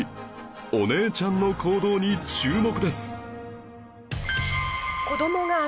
お姉ちゃんの行動に注目です